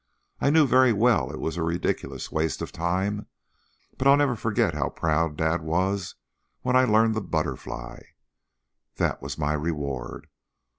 I knew very well it was a ridiculous waste of time, but I'll never forget how proud dad was when I learned the 'butterfly.' That was my reward.